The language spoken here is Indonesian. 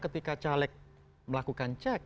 ketika caleg melakukan cek